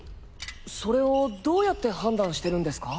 それをどうやって判断してるんですか？